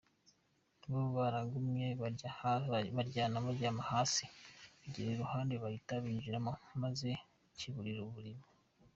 Bo barahagumye baryama hasi kibageze iruhande gihita kibinjiramo maze kiburira muribo.